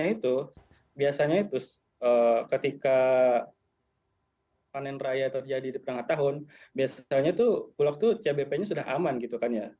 karena itu biasanya itu ketika panen raya terjadi di pertengah tahun biasanya itu bulog itu cbp nya sudah aman gitu kan ya